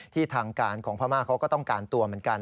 ทางการของพม่าเขาก็ต้องการตัวเหมือนกัน